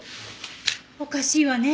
おかしいわね。